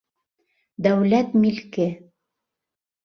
Дәүләт милке!